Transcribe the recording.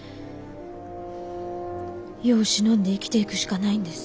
世を忍んで生きていくしかないんです。